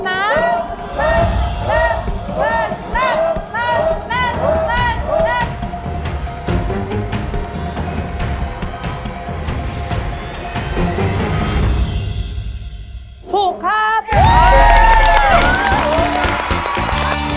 ถ้าถูกนะคราวนี้ก็เป็นภาษาสัมภาษณ์๕คันนะ